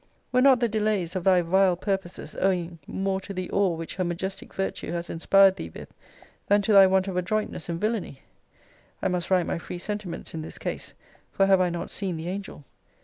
Were not the delays of thy vile purposes owing more to the awe which her majestic virtue has inspired thee with, than to thy want of adroitness in villany? [I must write my free sentiments in this case; for have I not seen the angel?